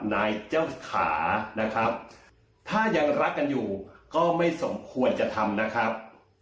นายเจ้าขานะครับถ้ายังรักกันอยู่ก็ไม่สมควรจะทำนะครับ